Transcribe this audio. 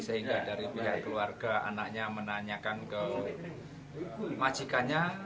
sehingga dari pihak keluarga anaknya menanyakan ke majikannya